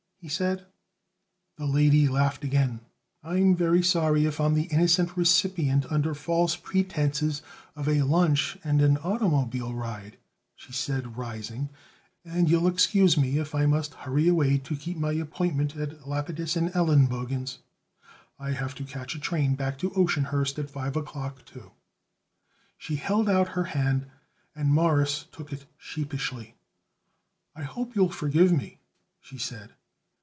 he said. The lady laughed again. "I'm very sorry if I'm the innocent recipient under false pretenses of a lunch and an automobile ride," she said, rising. "And you'll excuse me if I must hurry away to keep my appointment at Lapidus & Elenbogen's? I have to catch a train back to Oceanhurst at five o'clock, too." She held out her hand and Morris took it sheepishly. "I hope you'll forgive me," she said.